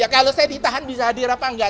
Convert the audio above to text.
kalau saya ditahan bisa hadir apa enggak